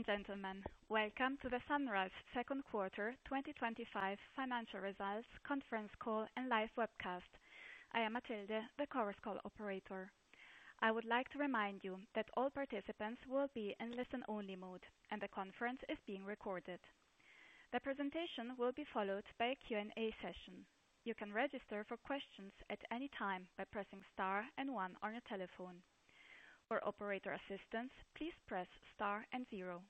Ladies and Gentlemen, welcome to the Sunrise Q2 2025 Financial Results Conference Call and Live Webcast. I am Mathilde, the chorus call operator. I would like to remind you that all participants will be in listen-only mode and the conference is being recorded. The presentation will be followed by a Q&A session. You can register for questions at any time by pressing star and one on your telephone. For operator assistance, please press star and zero.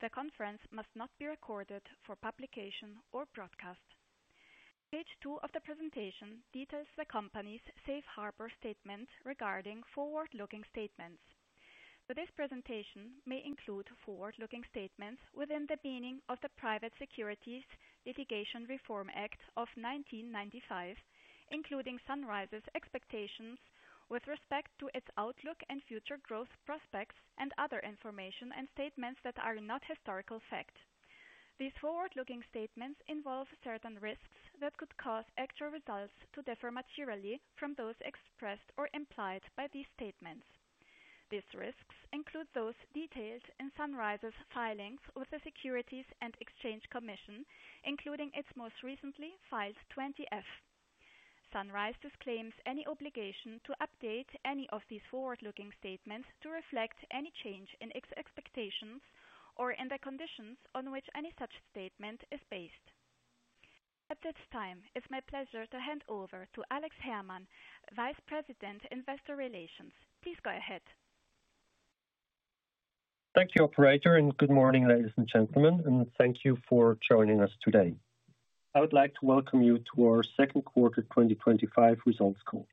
The conference must not be recorded for publication or broadcast. Page two of the presentation details the company's safe harbor statement regarding forward-looking statements. This presentation may include forward-looking statements within the meaning of the Private Securities Litigation Reform Act of 1995, including Sunrise's expectations with respect to its outlook and future growth prospects and other information and statements that are not historical fact. These forward-looking statements involve certain risks that could cause actual results to differ materially from those expressed or implied by these statements. These risks include those detailed in Sunrise's filings with the SEC, including its most recently filed 20-F. Sunrise disclaims any obligation to update any of these forward-looking statements to reflect any change in its expectations or in the conditions on which any such statement is based. At this time, it's my pleasure to hand over to Alex Herrmann, Vice President, Investor Relations. Please go ahead. Thank you, operator, and good morning, ladies. Ladies and gentlemen, thank you for joining us today. I would like to welcome you to our Second Quarter 2025 Results Call.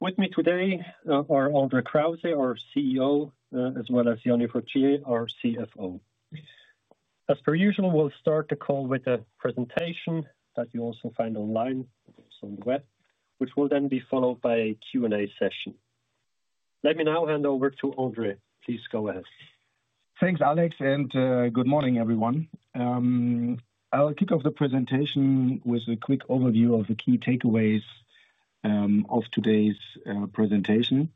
With me today are André Krause, our. CEO as well as Jany Fruytier, our CFO. As per usual, we'll start the call. With a presentation that you also find online from the web, which will then be followed by a Q-and-A session. Let me now hand over to André. Please go ahead. Thanks, Alex, and good morning, everyone. I'll kick off the presentation with a quick overview of the key takeaways of today's presentation.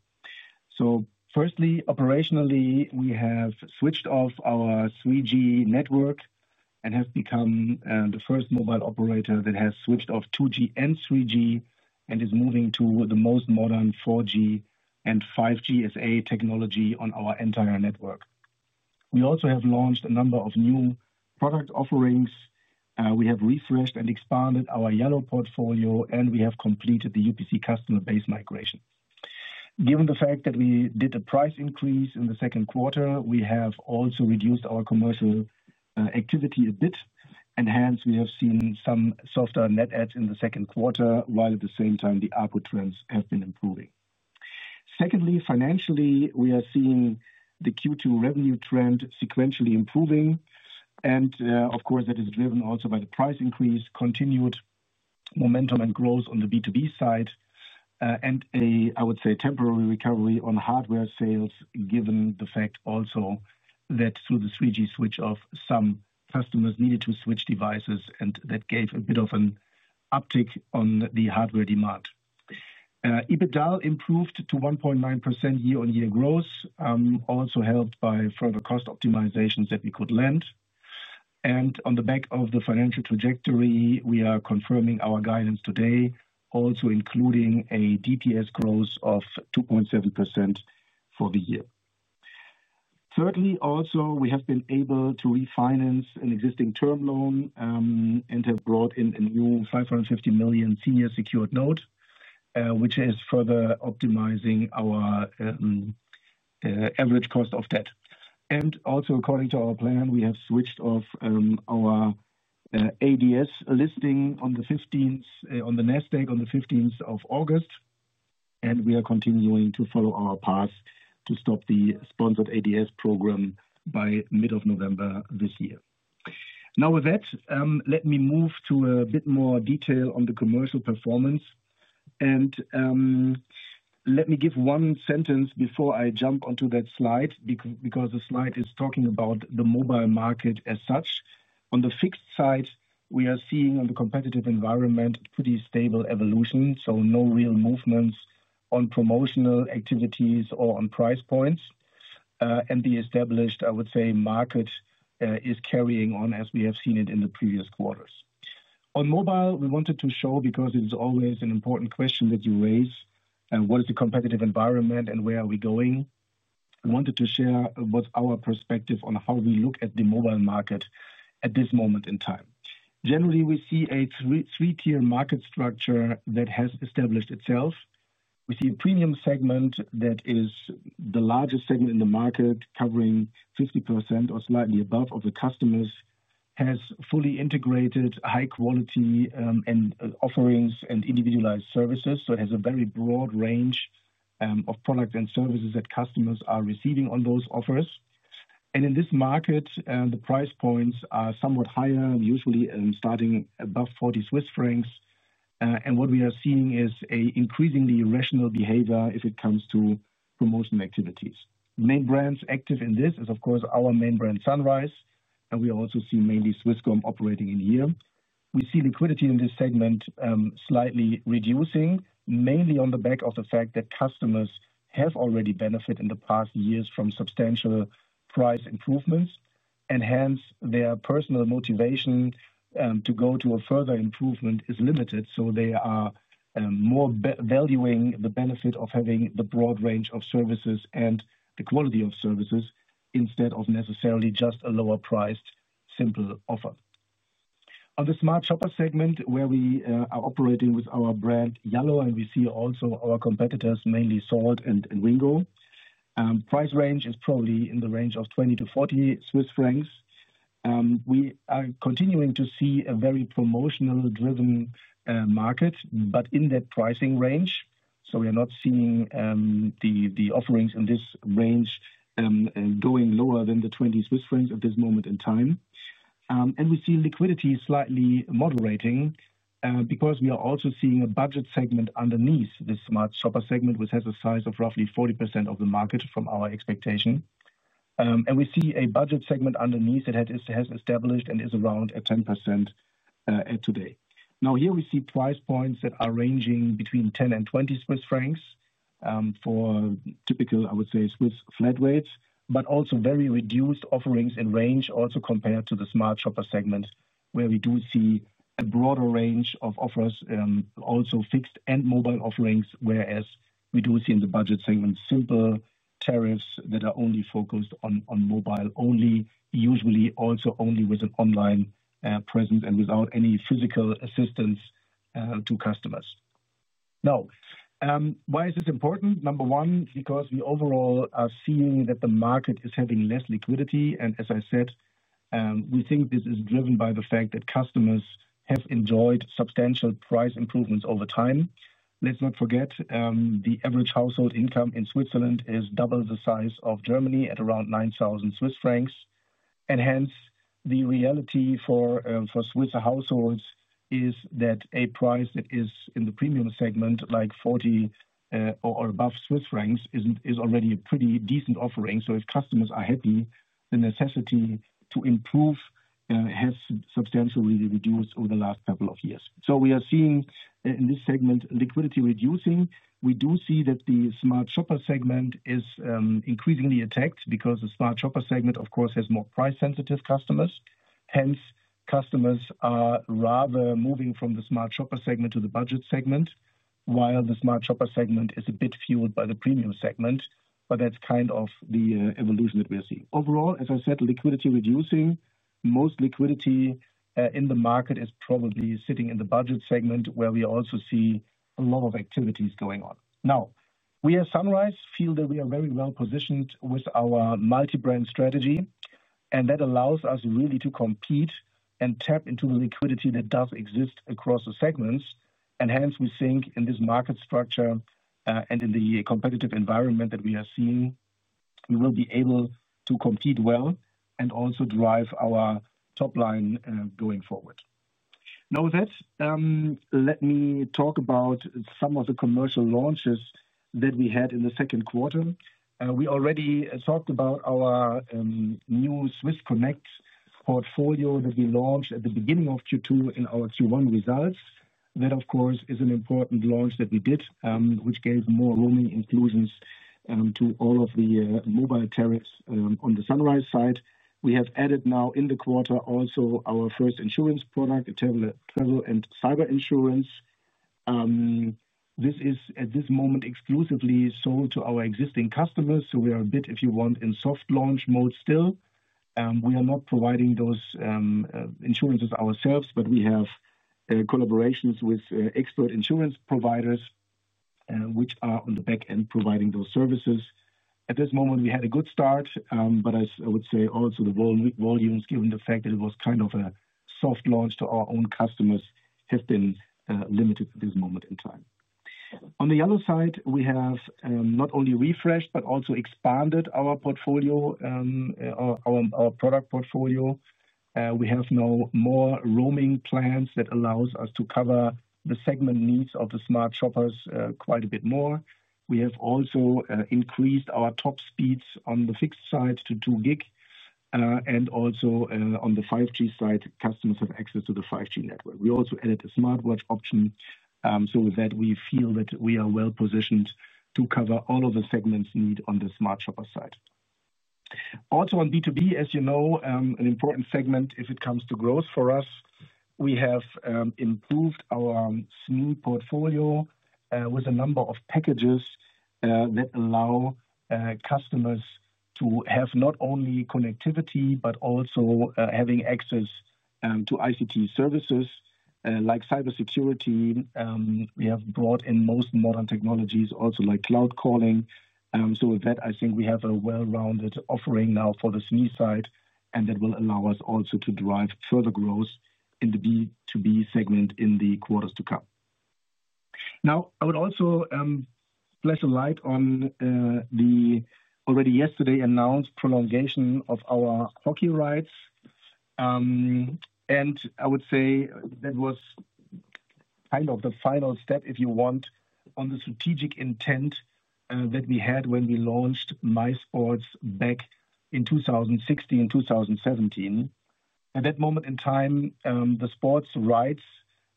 Firstly, operationally we have switched off our 3G network and have become the first mobile operator that has switched off 2G and 3G and is moving to the most modern 4G and 5G SA technology on our entire network. We also have launched a number of new product offerings, we have refreshed and expanded our Yallo portfolio, and we have completed the UPC customer base migration. Given the fact that we did a price increase in the second quarter, we have also reduced our commercial activity a bit, and hence we have seen some softer net adds in the second quarter while at the same time the ARPU trends have been improving. Secondly, financially we are seeing the Q2 revenue trend sequentially improving, and of course that is driven also by the price increase, continued momentum and growth on the B2B side, and I would say temporary recovery on hardware sales given the fact also that through the 3G switch off some customers needed to switch devices and that gave a bit of an uptick on the hardware demand. EBITDA improved to 1.9% year-on-year growth, also helped by further cost optimizations that we could land. On the back of the financial trajectory, we are confirming our guidance today, also including a DPS growth of 2.7% for the year. Thirdly, we have been able to refinance an existing term loan and have brought in a new 550 million senior secured note, which is further optimizing our average cost of debt. Also, according to our plan, we have switched off our ADS listing on the 15th on the NASDAQ on the 15th of August, and we are continuing to follow our path to stop the sponsored ADS program by mid-November this year. With that, let me move to a bit more detail on the commercial performance, and let me give one sentence before I jump onto that slide because the slide is talking about the mobile market as such. On the fixed side, we are seeing on the competitive environment pretty stable evolution, so no real movements on promotional activities or on price points. The established, I would say, market is carrying on as we have seen it in the previous quarters. On mobile, we wanted to show because it is always an important question that you raise, what is the competitive environment and where are we going. We wanted to share what's our perspective on how we look at the mobile market at this moment in time. Generally, we see a three-tier market structure that has established itself. We see a premium segment that is the largest segment in the market, covering 50% or slightly above of the customers, has fully integrated high-quality offerings and individualized services. It has a very broad range of products and services that customers are receiving on those offers. In this market, the price points are somewhat higher, usually starting above 40 Swiss francs. What we are seeing is an increasingly rational behavior if it comes to promotion activities. Main brands active in this are of course our main brand Sunrise, and we also see mainly Swisscom operating in here. We see liquidity in this segment slightly reducing, mainly on the back of the fact that customers have already benefited in the past years from substantial price improvements, and hence their personal motivation to go to a further improvement is limited. They are more valuing the benefit of having the broad range of services and the quality of services instead of necessarily just a lower-priced simple offer. On the smart shopper segment, where we are operating with our brand Yallo and we see also our competitors, mainly Salt and Wingo, price range is probably in the range of 20-40 Swiss francs. We are continuing to see a very promotional-driven market, but in that pricing range. We are not seeing the offerings in this range going lower than the 20 Swiss francs at this moment in time. We see liquidity slightly moderating because we are also seeing a budget segment underneath this smart shopper segment, which has a size of roughly 40% of the market from our expectation. We see a budget segment underneath that has established and is around a 10% today. Here we see price points that are ranging between 10-20 Swiss francs for typical, I would say, Swiss flat rates, but also very reduced offerings in range. Also, compared to the smart shopper segment where we do see a broader range of offers, also fixed and mobile offerings. Whereas we do see in the budget segment simple tariffs that are only focused on mobile only, usually also only with online presence and without any physical assistance to customers. Now, why is this important? Number one, because we overall are seeing that the market is having less liquidity. As I said, we think this is driven by the fact that customers have enjoyed substantial price improvements over time. Let's not forget the average household income in Switzerland is double the size of Germany at around 9,000 Swiss francs. Hence, the reality for Swiss households is that a price that is in the premium segment, like 40 or above, is already a pretty decent offering. If customers are happy, the necessity to improve has substantially reduced over the last couple of years. We are seeing in this segment liquidity reducing. We do see that the smart shopper segment is increasingly attacked because the smart shopper segment, of course, has more price-sensitive customers. Hence, customers are rather moving from the smart shopper segment to the budget segment, while the smart shopper segment is a bit fueled by the premium segment. That's kind of the evolution that we're seeing overall. As I said, liquidity reducing. Most liquidity in the market is probably sitting in the budget segment, where we also see a lot of activities going on. At Sunrise, we feel that we are very well positioned with our multi-brand strategy, and that allows us really to compete and tap into the liquidity that does exist across the segments. Hence, we think in this market structure and in the competitive environment that we are seeing, we will be able to compete well and also drive our top line going forward. Now that. Let me talk about some of the. Commercial launches that we had in the second quarter, we already talked about our new Swiss Connect portfolio that we launched at the beginning of Q2 in our Q1 results. That of course is an important launch that we did, which gave more roaming inclusions to all of the mobile tariffs. On the Sunrise side, we have added now in the quarter also our first insurance product and cyber insurance. This is at this moment exclusively sold to our existing customers. We are a bit, if you want, in soft launch mode still. We are not providing those insurances ourselves, but we have collaborations with expert insurance providers, which are on the back end providing those services at this moment. We had a good start, but I would say also the volumes, given the fact that it was kind of a soft launch to our own customers, have been limited at this moment in time. On the other side, we have not only refreshed but also expanded our portfolio, our product portfolio. We have now more roaming plans that allow us to cover the segment needs of the smart shoppers quite a bit more. We have also increased our top speeds on the fixed side to [2 Gb]. Also on the 5G side, customers have access to the 5G network. We also added a smartwatch option. With that, we feel that we are well positioned to cover all of the segments' need on the smart shopper side. Also on B2B, as you know, an important segment if it comes to growth for us, we have improved our SME portfolio with a number of packages that allow customers to have not only connectivity but also having access to ICT services like cyber security. We have brought in most modern technologies also like cloud calling. With that, I think we have a well-rounded offering now for the SME side, and that will allow us also to drive further growth in the B2B segment in the quarters to come. I would also place a light on the already yesterday announced prolongation of our hockey rights, and I would say that was kind of the final step, if you want, on the strategic intent that we had when we launched MySports back in 2016 and 2017. At that moment in time, the sports rights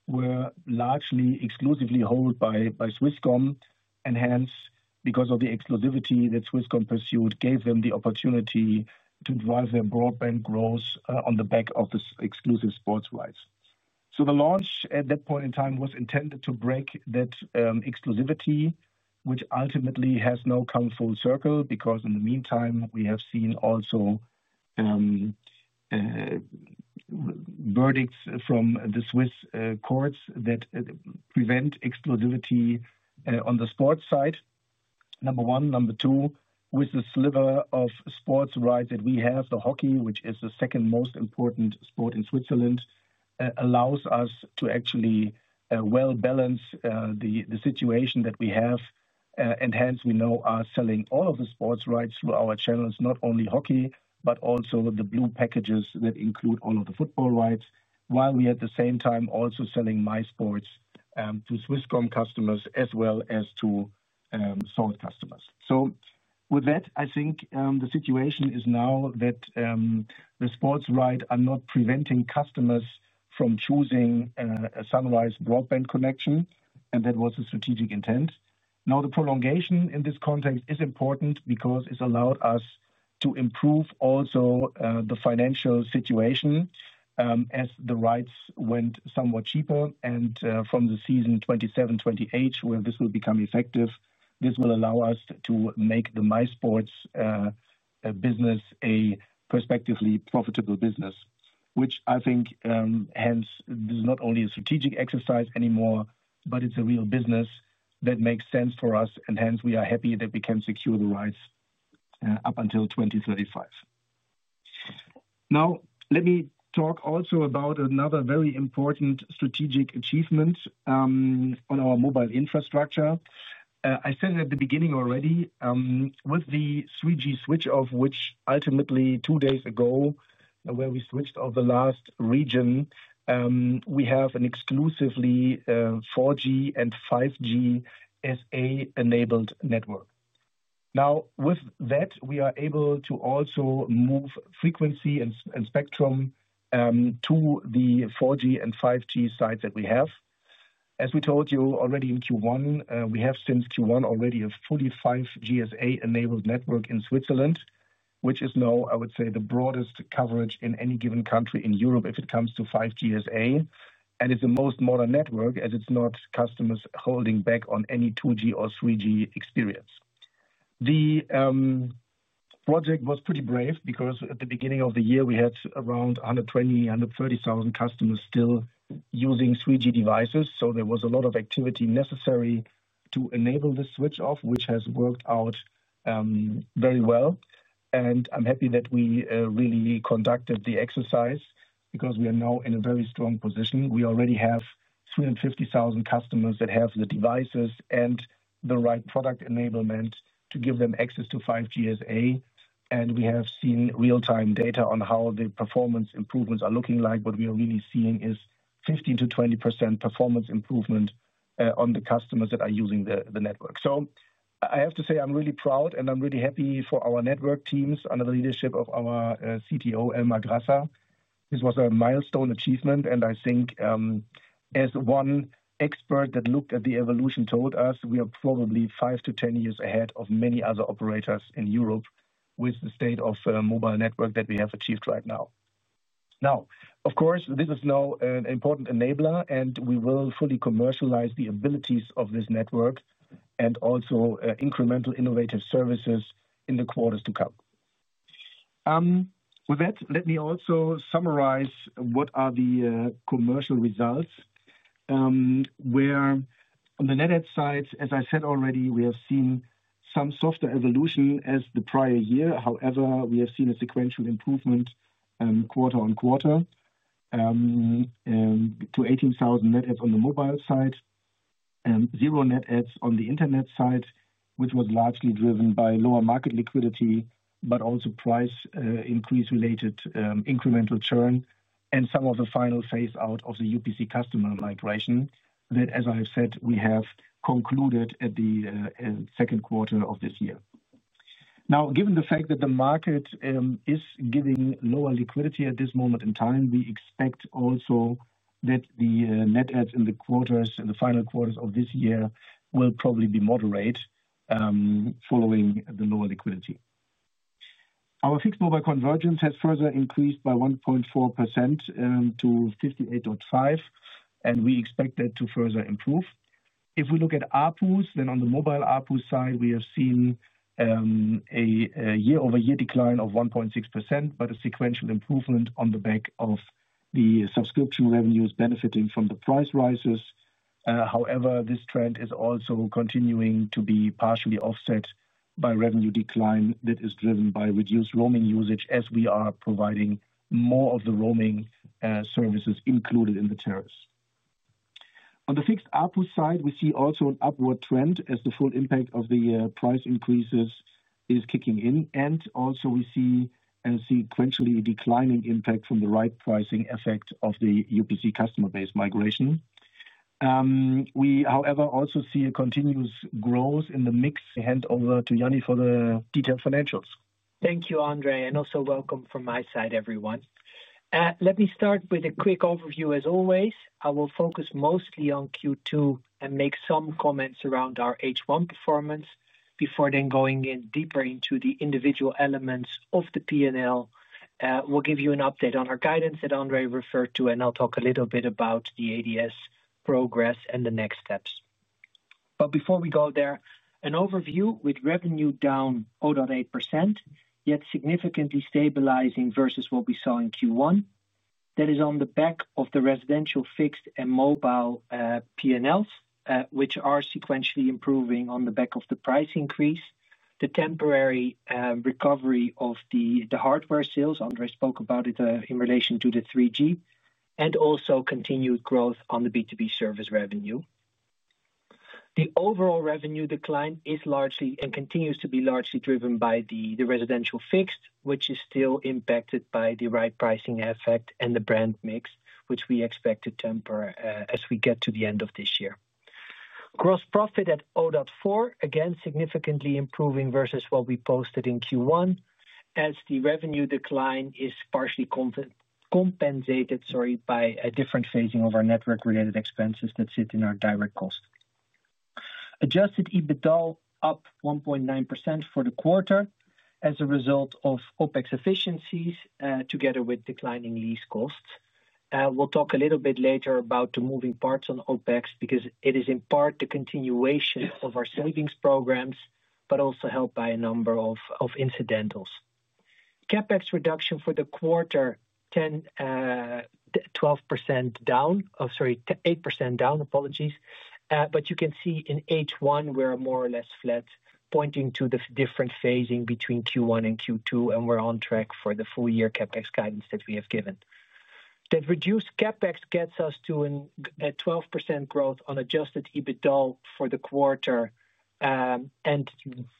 were largely exclusively held by Swisscom, and hence because of the exclusivity that Swisscom pursued, gave them the opportunity to drive their broadband growth on the back of the exclusive sports rights. The launch at that point in time was intended to break that exclusivity, which ultimately has now come full circle because in the meantime we have seen also verdicts from the Swiss courts that prevent exclusivity on the sports side. Number one. Number two, with the sliver of sports rights that we have, the hockey, which is the second most important sport in Switzerland, allows us to actually well balance the situation that we have. Hence, we now are selling all of the sports rights through our channels, not only hockey but also the blue packages that include all of the football rights, while we at the same time also are selling MySports to Swisscom customers as well as to Salt customers. With that, I think the situation is now that the sports rights are not preventing customers from choosing a Sunrise broadband connection, and that was the strategic intent. The prolongation in this context is important because it's allowed us to improve also the financial situation as the rights went somewhat cheaper, and from the season 2027-2028 where this will become effective, this will allow us to make the MySports business a prospectively profitable business, which I think hence this is not only a strategic exercise anymore, but it's a real business that makes sense for us. Hence, we are happy that we can secure the rights up until 2035. Now, let me talk also about another very important strategic achievement on our mobile infrastructure. I said it at the beginning already with the 3G switch, of which ultimately two days ago where we switched on the last region, we have an exclusively 4G and 5G Standalone Network enabled network. With that, we are able to also move frequency and spectrum to the 4G and 5G sites that we have. As we told you already in Q1, we have since Q1 already a fully 5G Standalone enabled network in Switzerland, which is now, I would say, the broadest coverage in any given country in Europe if it comes to 5G Standalone. It's the most modern network as it's not customers holding back on any 2G or 3G experience. The project was pretty brave because at the beginning of the year we had around 120,000-130,000 customers still using 3G devices. There was a lot of activity necessary to enable the switch off, which has worked out very well. I'm happy that we really conducted the exercise because we are now in a very strong position. We already have 350,000 customers that have the devices and the right product enablement to give them access to 5G Standalone. We have seen real time data on how the performance improvements are looking. What we are really seeing is 15% to 20% performance improvement on the customers that are using the network. I have to say I'm really proud and I'm really happy for our network teams under the leadership of our CTO, Elmar Grasser. This was a milestone achievement and I think as one expert that looked at the evolution told us, we are probably five to 10 years ahead of many other operators in Europe with the state of mobile network that we have achieved right now. Of course, this is now an important enabler and we will fully commercialize the abilities of this network and also incremental innovative services in the quarters to come. With that, let me also summarize what are the commercial results. On the net add side, as I said already, we have seen some softer evolution as the prior year. However, we have seen a sequential improvement quarter-on-quarter to 18,000 net adds on the mobile side, 0 net adds on the Internet side, which was largely driven by lower market liquidity but also price increase related incremental churn and some of the final phase out of the UPC customer migration that, as I said, we have concluded at the second quarter of this year. Given the fact that the market is giving lower liquidity at this moment in time, we expect also that the net adds in the final quarters of this year will probably be moderate. Following the lower liquidity, our fixed mobile convergence has further increased by 1.4% to 58.5% and we expect that to further improve. If we look at ARPUs, then on the mobile ARPU side we have seen a year-over-year decline of 1.6% but a sequential improvement on the back of the subscription revenues benefiting from the price rises. However, this trend is also continuing to be partially offset by revenue decline that is driven by reduced roaming usage as we are providing more of the roaming services included in the tariffs. On the fixed ARPU side, we see also an upward trend as the full impact of the price increases is kicking in and also we see a sequentially declining impact from the right pricing effect of the UPC customer base migration. We, however, also see a continuous growth in the mix. Hand over to Jany for the detailed financials. Thank you André and also welcome. From my side everyone, let me start with a quick overview. As always I will focus mostly on Q2 and make some comments around our H1 performance before then going in deeper into the individual elements of the P&L. We'll give you an update on our guidance that André referred to and I'll talk a little bit about the ADS progress and the next steps. Before we go there, an overview. With revenue down 0.8% yet significantly stabilizing versus what we saw in Q1, that is on the back of the residential fixed and mobile P&Ls which are sequentially improving on the back of the price increase, the temporary recovery of the hardware sales—André spoke about it in relation to the 3G—and also continued growth on the B2B service revenue. The overall revenue decline is largely and continues to be largely driven by the residential fixed, which is still impacted by the right pricing effect and the brand mix, which we expect to temper as we get to the end of this year. Gross profit at 0.4% again significantly improving versus what we posted in Q1 as the revenue decline is partially compensated by a different phasing of our network-related expenses that sit in our direct cost. Adjusted EBITDA up 1.9% for the quarter as a result of OpEx efficiencies together with declining lease costs. We'll talk a little bit later about the moving parts on OpEx because it is in part the continuation of our savings programs but also helped by a number of incidentals. CapEx reduction for the quarter 12% down. Oh sorry, 8% down. Apologies. You can see in H1 we are more or less flat, pointing to the different phasing between Q1 and Q2, and we're on track for the full year. CapEx guidance that we have given, that reduced CapEx gets us to a 12% growth on adjusted EBITDA for the quarter and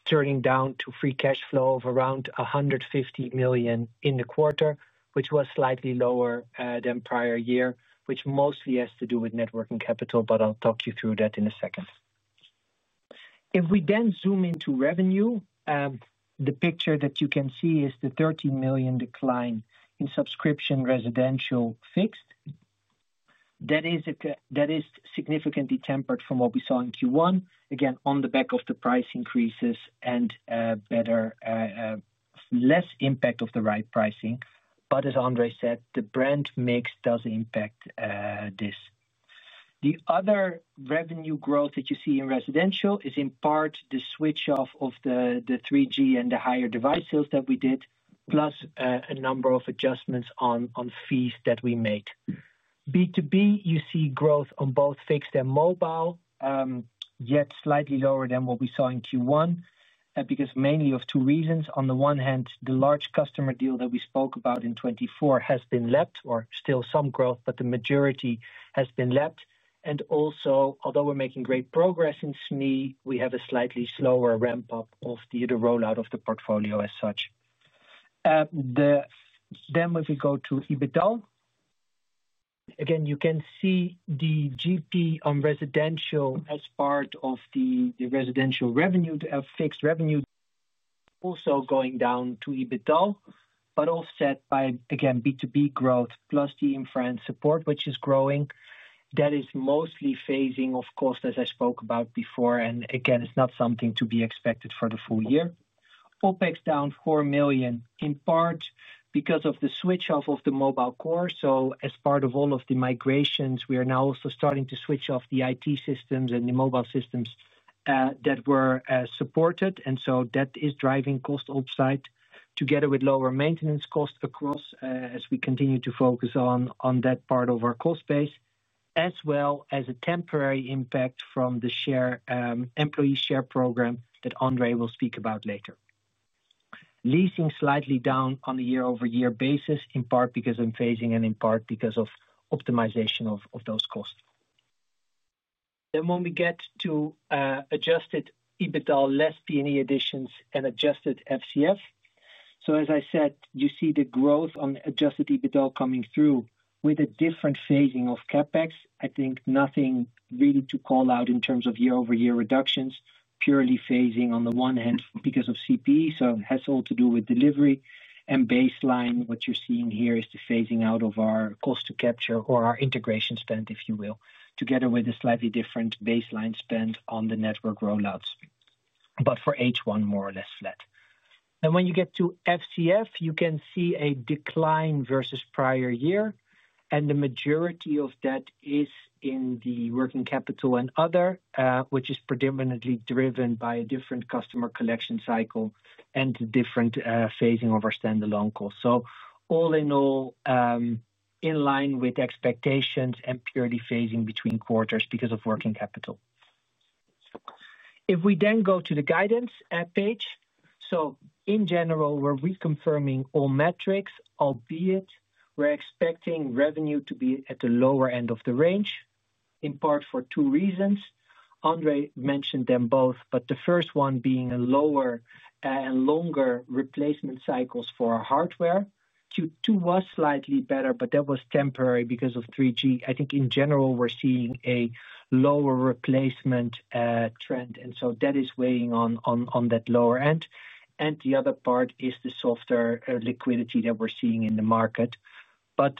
turning down to free cash flow of around 150 million in the quarter, which was slightly lower than prior year, which mostly has to do with net working capital. I'll talk you through that in a second. If we then zoom into revenue, the picture that you can see is the 13 million decline in subscription residential fixed that is significantly tempered from what we saw in Q1, again on the back of the price increases and better, less impact of the right pricing. As André said, the brand mix does impact this. The other revenue growth that you see in residential is in part the switch off of the 3G and the higher devices that we did plus a number of adjustments on fees that we made. B2B you see growth on both fixed and mobile, yet slightly lower than what we saw in Q1 because mainly of two reasons. On the one hand, the large customer deal that we spoke about in 2024 has been lapped or still some growth, but the majority has been lapped, and also although we're making great progress in SME, we have a slightly slower ramp up of the rollout of the portfolio as such. If we go to EBITDA, again you can see the GP on residential as part of the residential revenue of fixed revenue also going down to EBITDA but offset by again B2B growth plus the inference support which is growing and that is mostly phasing of cost as I spoke about before, and again it's not something to be expected for the full year. OpEx down 4 million in part because of the switch off of the mobile core. As part of all of the migrations, we are now also starting to switch off the IT systems and the mobile systems that were supported. That is driving cost upside together with lower maintenance cost across as we continue to focus on that part of our cost base, as well as a temporary impact from the employee share program that André will speak about later. Leasing slightly down on a year-over-year basis in part because in phasing and in part because of optimization of those costs. When we get to adjusted EBITDA, less D&E additions and adjusted FCF. As I said, you see the growth on adjusted EBITDA coming through with a different phasing of CapEx. I think nothing really to call out in terms of year-over-year reductions, purely phasing on the one hand because of CPE. It has all to do with delivery and baseline. What you're seeing here is the phasing out of our cost to capture or our integration spend if you will, together with a slightly different baseline spend on the network rollouts, but for H1 more or less flat. When you get to FCF, you can see a decline versus prior year and the majority of that is in the working capital and other, which is predominantly driven by a different customer collection cycle and different phasing of our standalone cost. All in all, in line with expectations and purely phasing between quarters because of working capital. If we then go to the guidance page, in general we're reconfirming all metrics, albeit we're expecting revenue to be at the lower end of the range in part for two reasons. André mentioned them both, but the first one being a lower and longer replacement cycles for hardware. Q2 was slightly better, but that was temporary because of 3G. I think in general we're seeing a lower replacement trend, and that is weighing on that lower end. The other part is the softer liquidity that we're seeing in the market. When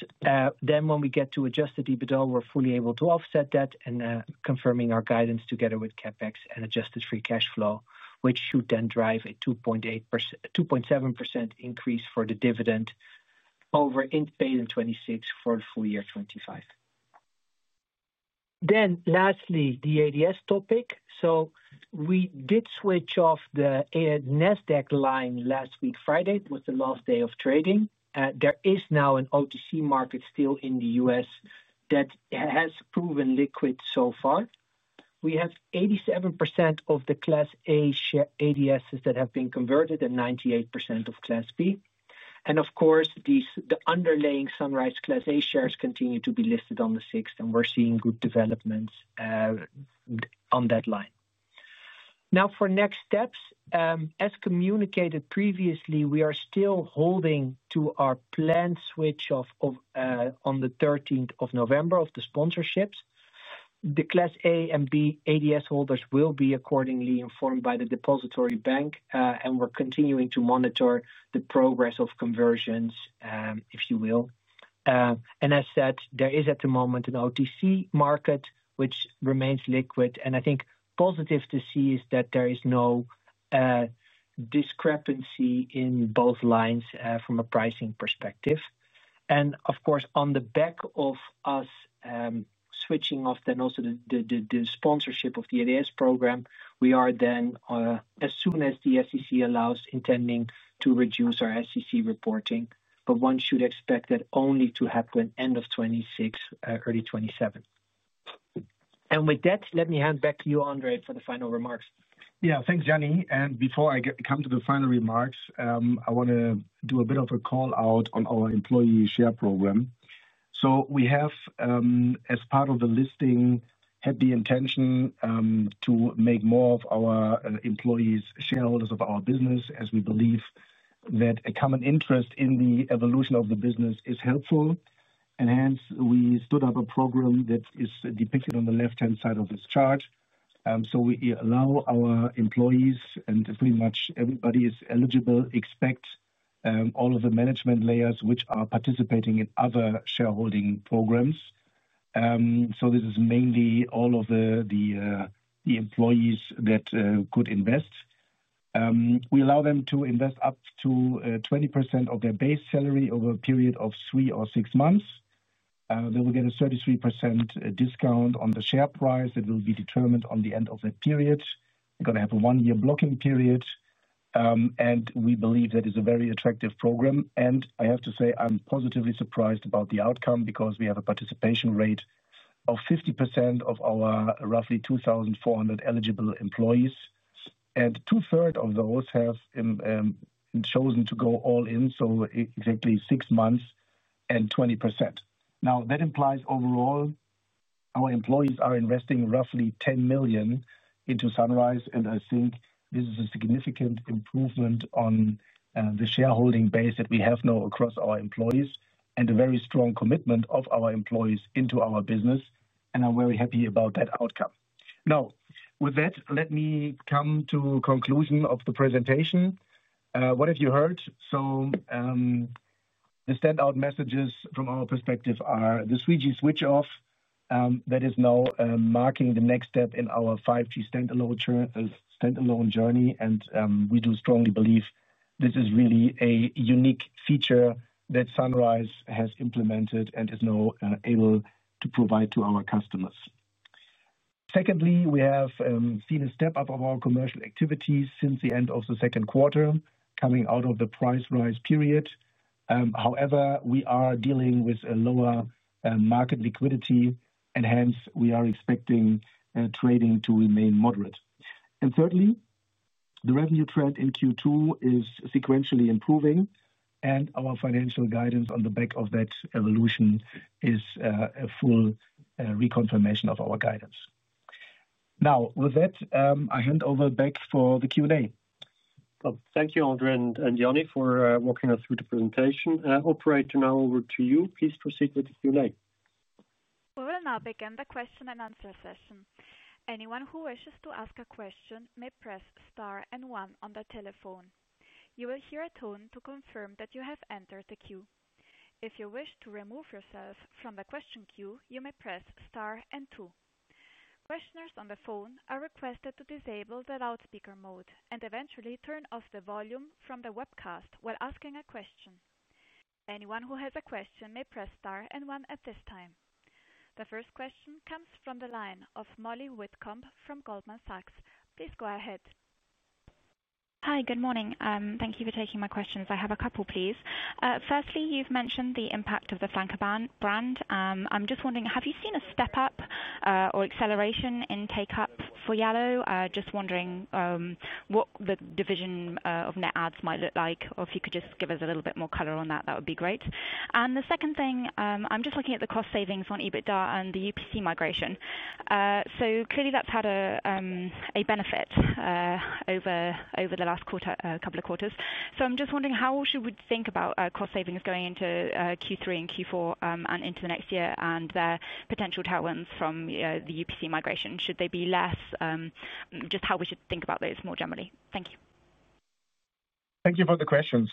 we get to adjusted EBITDA, we're fully able to offset that and confirming our guidance together with CapEx and adjusted free cash flow, which should then drive a 2.7% increase for the dividend over in payment 2026 for the full year 2025. Lastly, the ADS topic. We did switch off the NASDAQ line last week, Friday was the last day of trading. There is now an OTC market still in the U.S. that has proven liquid. So far, we have 87% of the Class A share ADS that have been converted and 98% of Class B. Of course, the underlying Sunrise Class A shares continue to be listed on the SIX, and we're seeing good developments on that line. Now for next steps. As communicated previously, we are still holding to our planned switch off on the 13th of November of the sponsorships. The Class A and B ADS holders will be accordingly informed by the depository bank, and we're continuing to monitor the progress of conversions, if you will. As such, there is at the moment an OTC market which remains liquid. I think positive to see is that there is no discrepancy in both lines from a pricing perspective. Of course, on the back of us switching off then also the sponsorship of the ADS program, we are then, as soon as the SEC allows, intending to reduce our SEC reporting. One should expect that only to happen end of 2026, early 2027. With that, let me hand back to you, André, for the final remarks. Yeah, thanks Jany. Before I come to the final remarks, I want to do a bit of a call out on our employee share program. We have as part of the listing had the intention to make more of our employees shareholders of our business as we believe that a common interest in the evolution of the business is helpful. Hence, we stood up a program that is depicted on the left hand side of this chart. We allow our employees, and pretty much everybody is eligible except all of the management layers which are participating in other shareholding programs. This is mainly all of the employees that could invest. We allow them to invest up to 20% of their base salary over a period of three or six months. They will get a 33% discount on the share price that will be determined at the end of that period. There is going to be a one year blocking period. We believe that is a very attractive program. I have to say I'm positively surprised about the outcome because we have a participation rate of 50% of our roughly 2,400 eligible employees and 2/3 of those have chosen to go all in, so exactly six months and 20%. That implies overall our employees are investing roughly 10 million into Sunrise. I think this is a significant improvement on the shareholding base that we have now across our employees and a very strong commitment of our employees into our business and I'm very happy about that outcome. Now, let me come to the conclusion of the presentation. What have you heard? The standout messages from our perspective are the 3G switch off that is now marking the next step in our 5G Standalone Network journey. We do strongly believe this is really a unique feature that Sunrise has implemented and is now able to provide to our customers. Secondly, we have seen a step up of our commercial activities since the end of the second quarter, coming out of the price rise period. However, we are dealing with a lower market liquidity and hence we are expecting trading to remain moderate. Thirdly, the revenue trend in Q2 is sequentially improving and our financial guidance on the back of that evolution is a full reconfirmation of our guidance. Now with that I hand over back. For the Q and A. Thank you André and Jany for walking. Us through the presentation. Operator. Now over to you. Please proceed with the Q&A. We will now begin the question-and-answer session. Anyone who wishes to ask a question may press star one on the telephone. You will hear a tone to confirm that you have entered the queue. If you wish to remove yourself from the question queue, you may press star two. Questioners on the phone are requested to disable the loudspeaker mode and eventually turn off the volume from the webcast while asking a question. Anyone who has a question may press star one at this time. The first question comes from the line of [Molly Whitcomb] from Goldman Sachs. Please go ahead. Hi, good morning. Thank you for taking my questions. I have a couple, please. Firstly, you've mentioned the impact of the flanker brand. I'm just wondering, have you seen a step up or acceleration in take up for Yallo? Just wondering what the division of net adds might look like. If you could just give us a little bit more color on that, that would be great. The second thing, I'm just looking at the cost savings on EBITDA and the UPC migration. Clearly that's had a benefit over the last couple of quarters. I'm just wondering how should we think about cost savings going into Q3 and Q4 and into the next year and their potential tailwinds from the UPC migration. Should they be less? Just how we should think about those more generally. Thank you. Thank you for the question.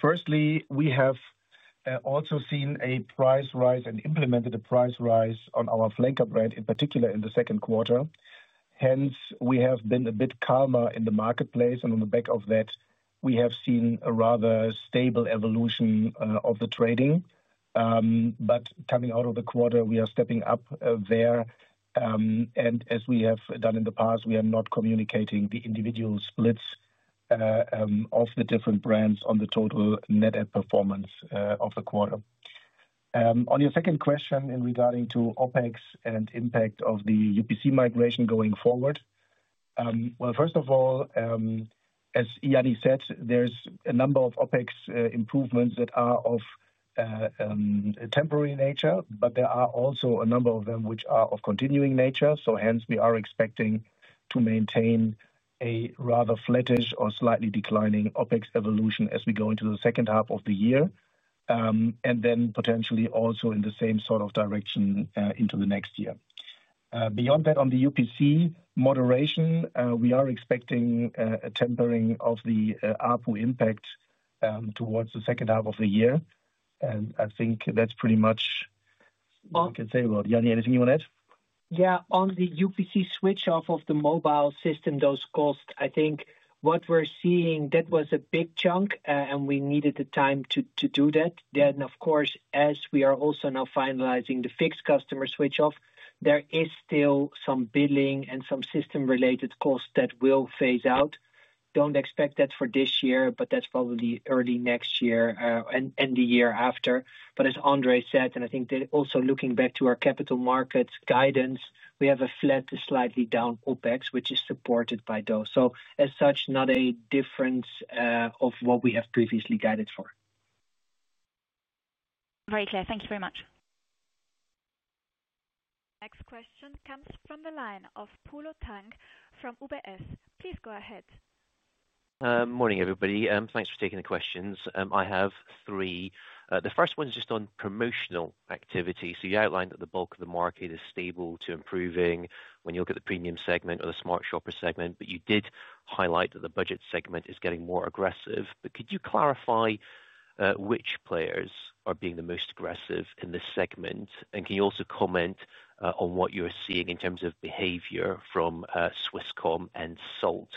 Firstly, we have also seen a price rise and implemented a price rise on our flanker brand, in particular in the second quarter. Hence, we have been a bit calmer in the marketplace, and on the back of that, we have seen a rather stable evolution of the trading, but coming out of the quarter, we are stepping up there, and as we have done in the past, we are not communicating the individual splits of the different brands on the total net performance of the quarter. On your second question regarding OpEx and the impact of the UPC migration going forward, as Jany said, there's a number of OpEx improvements that are of temporary nature, but there are also a number of them which are of continuing nature. Hence, we are expecting to maintain a rather flattish or slightly declining OpEx evolution as we go into the second half of the year and then potentially also in the same sort of direction into the next year. Beyond that, on the UPC moderation, we are expecting a tempering of the ARPU impact towards the second half of the year, and I think that's pretty much what you can say about it. Jany, anything you want to add? Yeah, on the UPC switch off of the mobile system, those costs, I think what we're seeing, that was a big chunk and we needed the time to do that. As we are also now finalizing the fixed customer switch off, there are still some billing and some system-related costs that will phase out. Don't expect that for this year, but that's probably early next year and the year after. As André said, and I think that also looking back to our capital markets guidance, we have a flat, slightly down OpEx which is supported by those. As such, not a difference of what we have previously guided for. Very clear, thank you very much. Next question comes from the line of Polo Tang from UBS. Please go ahead. Morning everybody. Thanks for taking the questions. I have three. The first one is just on promotional activity. You outlined that the bulk of the market is stable to improving when you look at the premium segment or the smart shopper segment. You did highlight that the budget segment is getting more aggressive. Could you clarify which players are being the most aggressive in this segment? Can you also comment on what you're seeing in terms of behavior from Swisscom and Salt?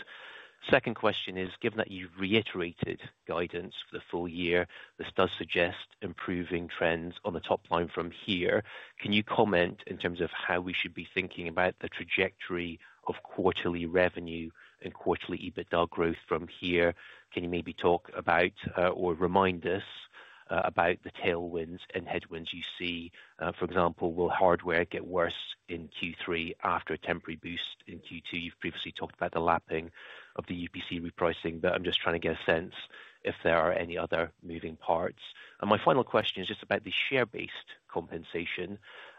Second question is, given that you've reiterated guidance for the full year, this does suggest improving trends on the top line. From here, can you comment in terms of how we should be thinking about the trajectory of quarterly revenue and quarterly EBITDA growth from here? Can you maybe talk about or remind us about the tailwinds and headwinds you see? For example, will hardware get worse in Q3 after a temporary boost in Q2? You've previously talked about the lapping of the UPC repricing, but I'm just trying to get a sense if there are any other moving parts. My final question is just about the share based compensation.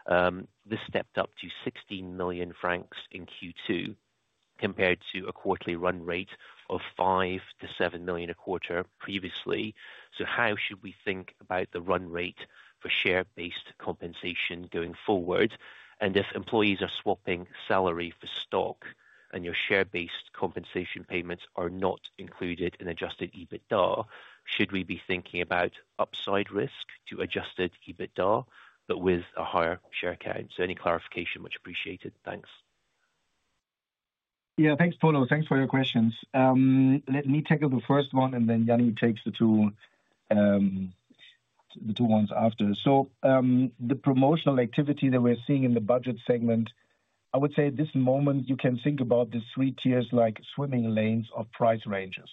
This stepped up to 16 million francs in Q2 compared to a quarterly run rate of 5 million-7 million a quarter previously. How should we think about the run rate for share based compensation going forward? If employees are swapping salary for stock and your share based compensation payments are not included in adjusted EBITDA, should we be thinking about upside risk to adjusted EBITDA but with a higher share count? Any clarification is much appreciated. Thanks. Yeah, thanks Polo. Thanks for your questions. Let me tackle the first one and then Jany takes the two, the two ones after. The promotional activity that we're seeing in the budget segment, I would say at this moment you can think about the three tiers like swimming lanes of price ranges.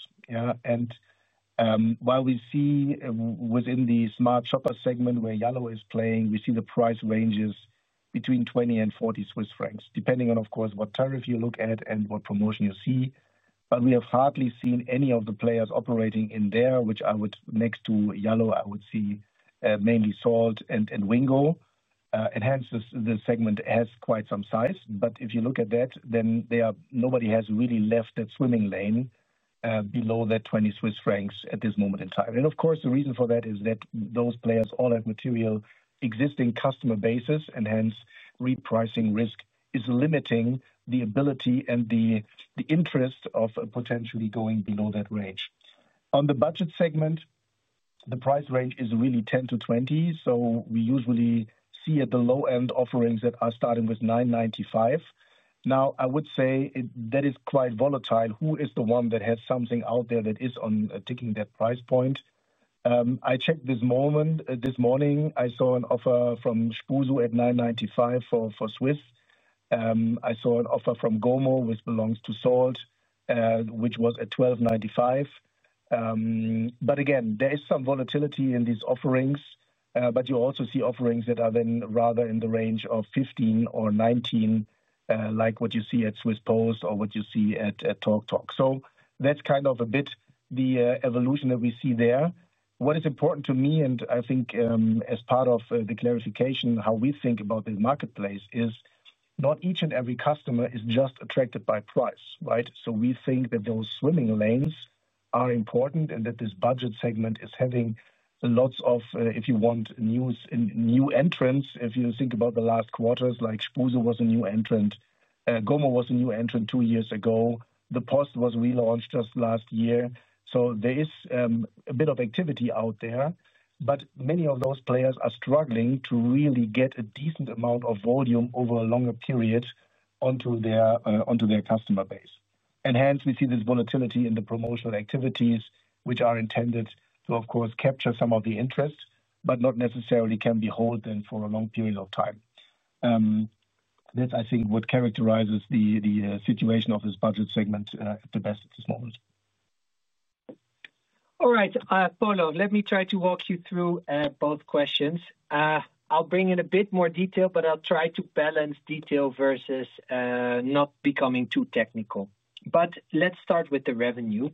While we see within the smart shopper segment where Yallo is playing, we see the price ranges between 20-40 Swiss francs depending on, of course, what tariff you look at and what promotion you see. We have hardly seen any of the players operating in there, which I would, next to Yallo, I would see mainly Salt and Wingo, and hence the segment has quite some size. If you look at that, then nobody has really left that swimming lane below that 20 Swiss francs at this moment in time. The reason for that is that those players all have material existing customer bases and hence repricing risk is limiting the ability and the interest of potentially going below that range. On the budget segment, the price range is really 10-20, so we usually see at the low end offerings that are starting with 9.95. I would say that is quite volatile. Who is the one that has something out there that is taking that price point? I checked this morning, I saw an offer from Spusu at 9.95 for Swiss. I saw an offer from GoMo, which belongs to Salt, which was at 12.95. There is some volatility in these offerings. You also see offerings that are then rather in the range of 15-19, like what you see at Swiss Post or what you see at TalkTalk. That's kind of a bit the evolution that we see there. What is important to me, and I think as part of the clarification how we think about the marketplace, is not each and every customer is just attracted by price, right? We think that those swimming lanes are important and that this budget segment is having lots of, if you want, news, new entrants. If you think about the last quarters, like Spusu was a new entrant, GoMo was a new entrant two years ago. The Post was relaunched just last year. There is a bit of activity out there, but many of those players are struggling to really get a decent amount of volume over a longer period onto their customer base. Hence, we see this volatility in the promotional activities, which are intended to, of course, capture some of the interest, but not necessarily can be held in for a long period of time. That's, I think, what characterizes the situation of this budget segment at the best at this moment. All right, Polo, let me try to walk you through both questions. I'll bring in a bit more detail, but I'll try to balance detail versus not becoming too technical. Let's start with the revenue.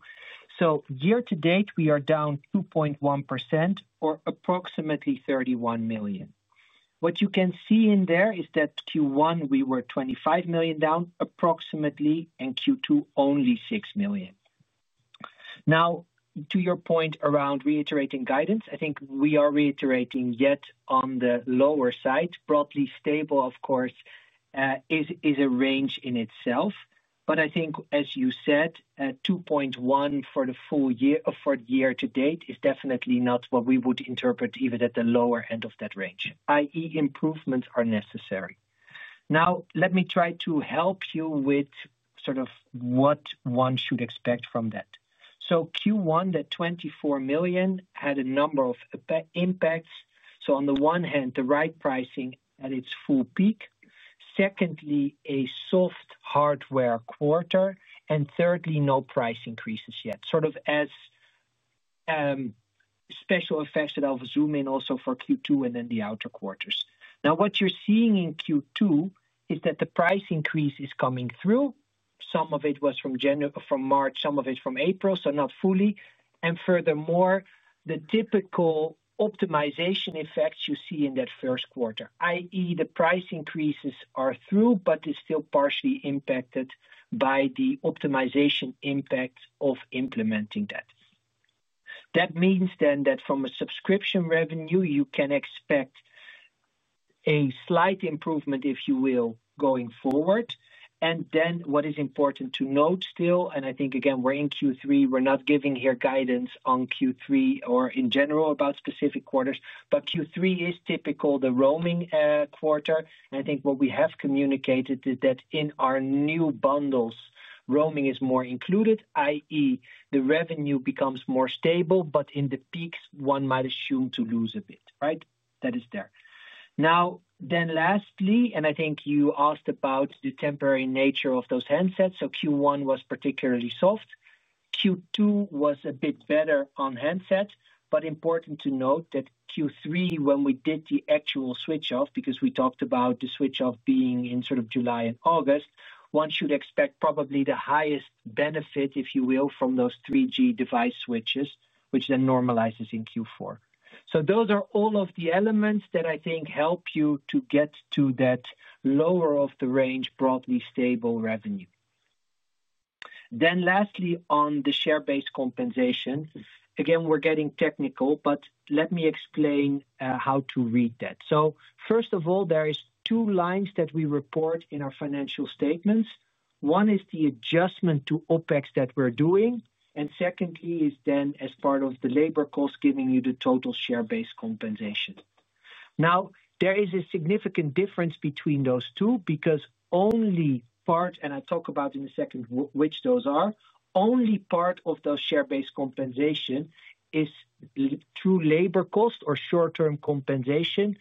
Year to date we are down 2.1% or approximately 31 million. What you can see in there is that Q1 we were 25 million down approximately, and Q2 only 6 million. Now to your point around reiterating guidance, I think we are reiterating. Yet on the lower side, broadly stable, of course, is a range in itself, but I think as you said, 2.1% for the full year, for year to date, is definitely not what we would interpret even at the lower end of that range, that is, improvements are necessary. Let me try to help you with sort of what one should expect from that. Q1, that 25 million had a number of impacts. On the one hand, the right pricing at its full peak, secondly, a soft hardware quarter, and thirdly, no price increases yet, sort of as special effects that I'll zoom in also for Q2 and then the outer quarters. What you're seeing in Q2 is that the price increase is coming through. Some of it was from March, some of it from April, so not fully. Furthermore, the typical optimization effects you see in that first quarter, that is, the price increases are through but is still partially impacted by the optimization impact of implementing that. That means from a subscription revenue you can expect a slight improvement, if you will, going forward. What is important to note still, and I think again we're in Q3, we're not giving here guidance on Q3 or in general about specific quarters. Q3 is typical, the roaming quarter. I think what we have communicated is that in our new bundles roaming is more included, that is, the revenue becomes more stable. In the peaks one might assume to lose a bit. That is there. Lastly, I think you asked about the temporary nature of those handsets. Q1 was particularly soft. Q2 was a bit better on handset. Important to note that Q3 when we did the actual switch off, because we talked about the switch off being in July and August, one should expect probably the highest benefit, if you will, from those 3G device switches, which then normalizes in Q4. Those are all of the elements that I think help you to get to that lower of the range, broadly stable revenue. Lastly, on the share-based compensation, again we're getting technical, but let me explain how to read that. First of all, there are two lines that we report in our financial statements. One is the adjustment to OpEx that we're doing, and secondly is then as part of the labor cost giving you the total share based compensation. Now, there is a significant difference between those two because only part, and I talk about in a second which those are, only part of those share based compensation is through labor cost or short term compensation.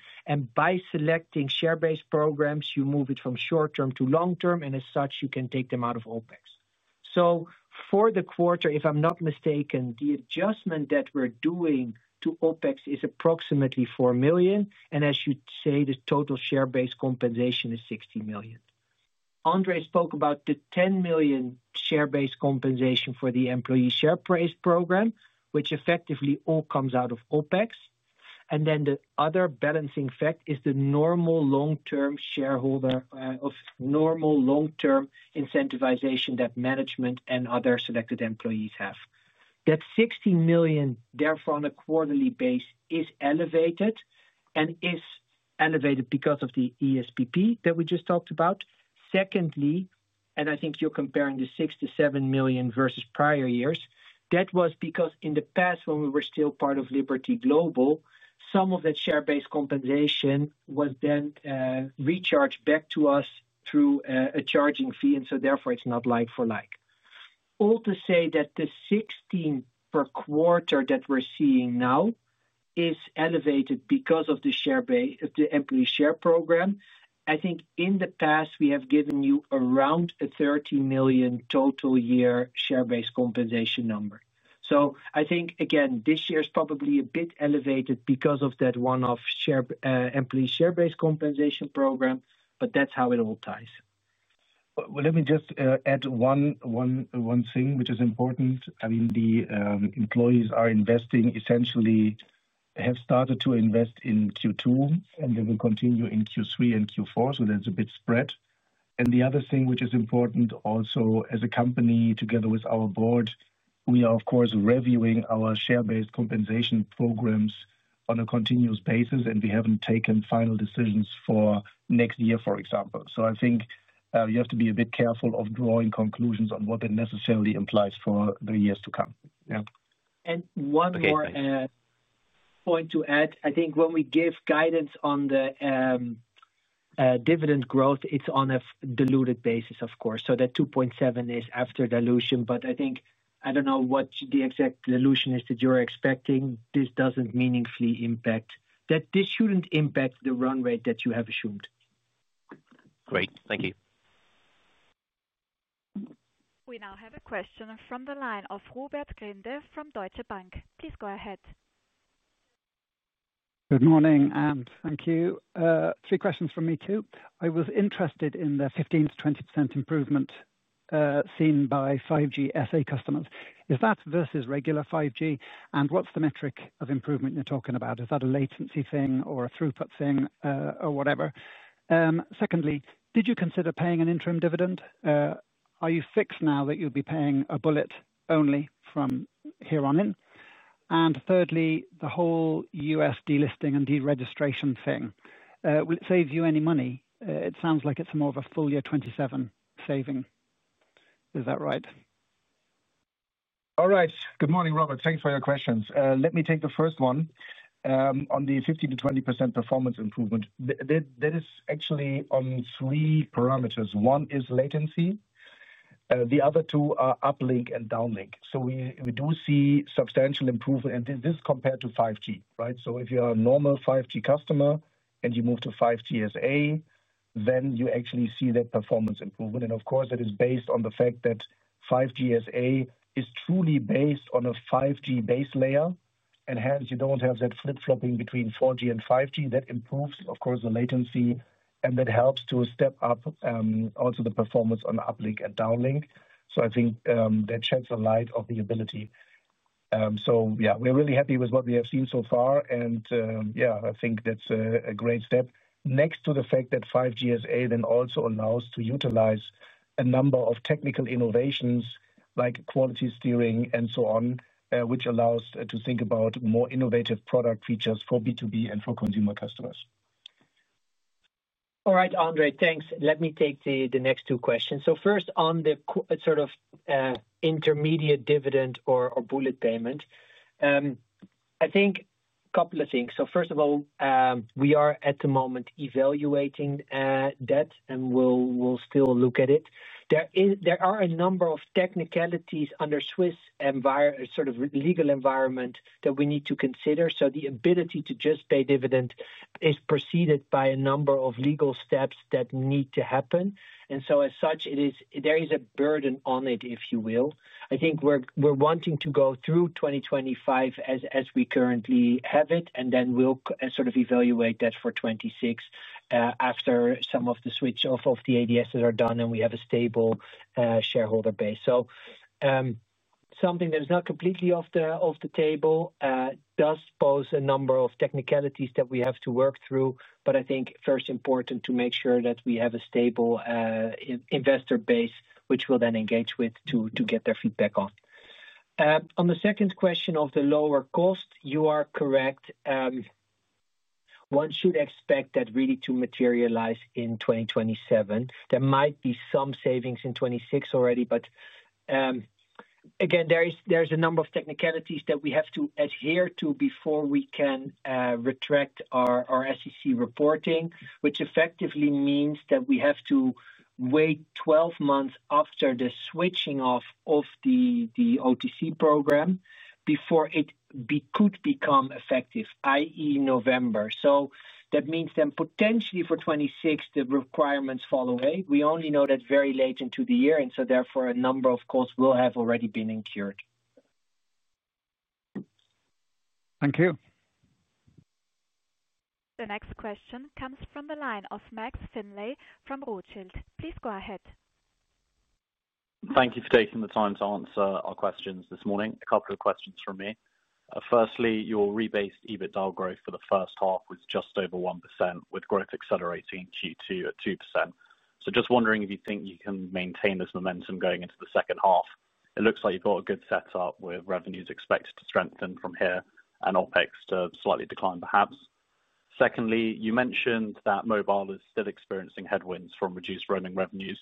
By selecting share based programs, you move it from short term to long term, and as such you can take. Them out of OpEx. For the quarter, if I'm not mistaken, the adjustment that we're doing to OpEx is approximately 4 million. As you say, the total share-based compensation is 16 million. André spoke about the 10 million share-based compensation for the employee share price program, which effectively all comes out of OpEx. The other balancing effect is the normal long-term incentivization that management and other selected employees have. That 16 million, therefore, on a quarterly basis is elevated and is elevated because of the ESPP that we just talked about. Secondly, I think you're comparing the 6 million-7 million versus prior years. That was because in the past, when we were still part of Liberty Global, some of that share-based compensation was then recharged back to us through a charging fee. Therefore, it's not like-for-like to say that the 16 million per quarter that we're seeing now is elevated because of the share-based employee share program. I think in the past we have given you around a 30 million total year share-based compensation number. I think again this year is probably a bit elevated because of that one-off employee share-based compensation program. That's how it all ties. Let me just add one thing which is important. I mean the employees are investing, essentially have started to invest in Q2 and they will continue in Q3 and Q4. That's a bit spread. The other thing which is important also as a company, together with our Board, we are of course reviewing our share-based compensation programs on a continuous basis and we haven't taken final decisions for next year, for example. I think you have to be a bit careful of drawing conclusions on what it necessarily implies for the years to come. One more point to add. I think when we give guidance on the dividend growth, it's on a diluted basis, of course. So that 2.7 is after dilution. I don't know what the exact dilution is that you're expecting. This doesn't meaningfully impact that. This shouldn't impact the run rate that you have assumed. Great, thank you. We now have a question from the line of Robert Grindle from Deutsche Bank. Please go ahead. Good morning and thank you. Three questions from me too. I was interested in the 15%-20% improvement seen by 5G SA customers. Is that versus regular 5G, and what's. The metric of improvement you're talking about, is that a latency thing or a throughput thing or whatever? Secondly, did you consider paying an interim dividend? Are you fixed now that you'll be. Paying a bullet only from here on in? Thirdly, the whole U.S. delisting and deregistration thing, will it save you any money? It sounds like it's more of a. Full year 2027 saving, is that right? All right. Good morning, Robert. Thanks for your questions. Let me take the first one. On the 15%-20% performance improvement, that is actually on three parameters. One is latency, the other two are uplink and downlink. We do see substantial improvement, and this is compared to 5G. If you are a normal 5G customer and you move to 5G Standalone Network, then you actually see that performance improvement. Of course, that is based on the fact that 5G Standalone Network is truly based on a 5G base layer and hence you don't have that flip flopping between 4G and 5G. That improves the latency and helps to step up also the performance on uplink and downlink. I think that sheds a light on the ability. We're really happy with what we have seen so far. I think that's a great step next to the fact that 5G Standalone Network then also allows to utilize a number of technical innovations like quality steering and so on, which allows to think about more innovative product features for B2B and for consumer customers. All right, André, thanks. Let me take the next two questions. First, on the sort of intermediate dividend or bullet payment, I think a couple of things. First of all, we are at the moment evaluating debt and we'll still look at it. There are a number of technicalities under the Swiss sort of legal environment that we need to consider. The ability to just pay dividend is preceded by a number of legal steps that need to happen. As such, there is a burden on it, if you will. I think we're wanting to go through 2025 as we currently have it and then we'll sort of evaluate that for 2026 after some of the switch off of the ADS are done and we have a stable shareholder base. Something that is not completely off the table does pose a number of technicalities that we have to work through. I think first, important to make sure that we have a stable investor base which we'll then engage with to get their feedback on. On the second question of the lower cost, you are correct. One should expect that really to materialize in 2027. There might be some savings in 2026 already. Again, there's a number of technicalities that we have to adhere to before we can retract our SEC reporting, which effectively means that we have to wait 12 months after the switching off of the OTC program before it could become effective, that is November. That means then potentially for 2026 the requirements fall away. We only know that very late into the year and therefore a number of calls will have already been incurred. Thank you. The next question comes from the line of Max Findlay from Rothschild. Please go ahead. Thank you for taking the time to answer our questions this morning. A couple of questions from me. Firstly, your rebased EBITDA growth for the first half was just over 1% with growth accelerating in Q2 at 2%. I am just wondering if you think you can maintain this momentum going into the second half. It looks like you've got a good setup with revenues expected to strengthen from here and OpEx to slightly decline perhaps. Secondly, you mentioned that mobile is still experiencing headwinds from reduced roaming revenues.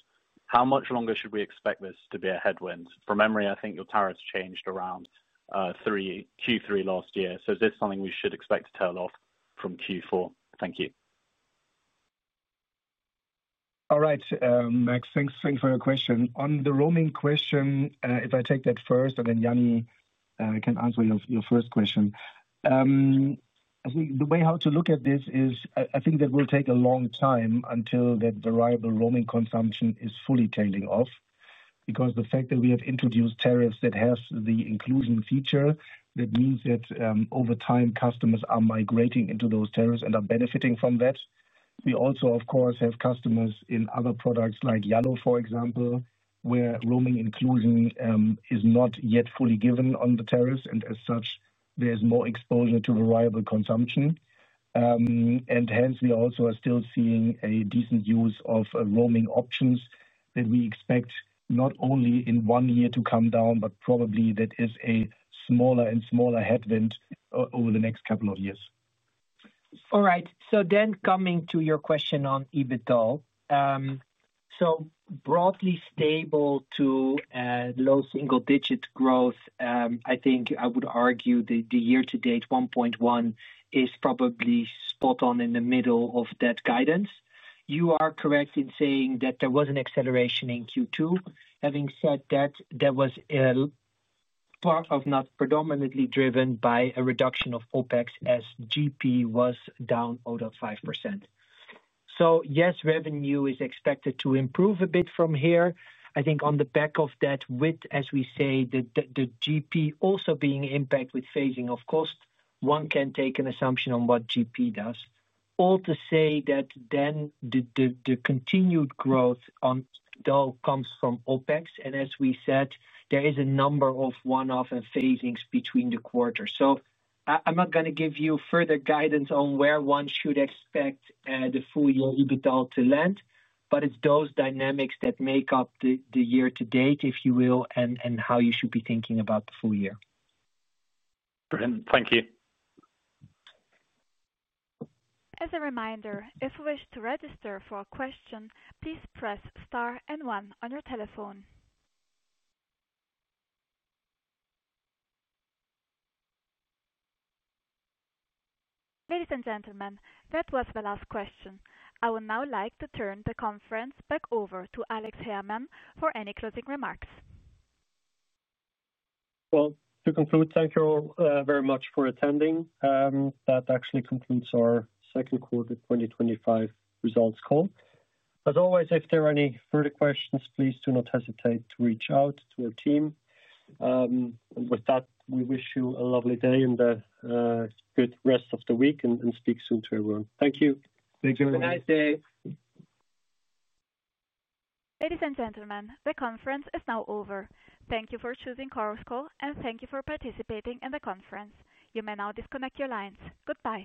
How much longer should we expect this to be a headwind? From memory, I think your tariffs changed around Q3 last year. Is this something we should expect to tail off from Q4? Thank you. All right, Max, thanks. Thanks for your question on the roaming question. If I take that first and then Jany, I can answer your first question. The way how to look at this is, I think that will take a long time until that variable roaming consumption is fully tailing off because the fact that we have introduced tariffs that have the inclusion feature, that means that over time customers are migrating into those tariffs and are benefiting from that. We also, of course, have customers in other products like Yallo, for example, where roaming inclusion is not yet fully given on the tariffs, and as such there's more exposure to variable consumption, and hence we also are still seeing a decent use of roaming options that we expect not only in one year to come down, but probably that is a smaller and smaller headwind over the next couple of years. All right, so then coming to your question on EBITDA, so broadly stable to low single digit growth, I think I would argue the year to date 1.1% is probably spot on. In the middle of that guidance, you are correct in saying that there was an acceleration in Q2. Having said that, it was not predominantly driven by a reduction of OpEx as GP was down about 5%. Yes, revenue is expected to improve a bit from here. I think on the back of that, with, as we say, the GP also being impacted with phasing of cost, one can take an assumption on what GP does. All to say that the continued growth though comes from OpEx, and as we said, there is a number of one-off and phasings between the quarters. I'm not going to give you further guidance on where one should expect the full year EBITDA to land, but it's those dynamics that make up the year-to-date, if you will, and how you should be thinking about the full year. Brilliant. Thank you. As a reminder, if you wish to register for a question, please press star and one on your telephone. Ladies and gentlemen, that was the last question. I would now like to turn the conference back over to Alex Herrmann for any closing remarks. To conclude, thank you all very much for attending. That actually concludes our Second Quarter 2025 Results compared to. always, if there are any further questions, please feel free to reach out. Questions, please do not hesitate to reach. Out to our team. With that, we wish you a lovely day and good rest of the week and speak soon to everyone. Thank you. Thank you. Have a nice day. Ladies and gentlemen, the conference is now over. Thank you for choosing Sunrise and thank you for participating in the conference. You may now disconnect your lines. Goodbye.